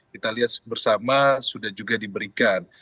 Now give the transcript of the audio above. kita lihat bersama sudah juga diberikan